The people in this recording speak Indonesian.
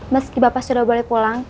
meski bapak sudah boleh pulang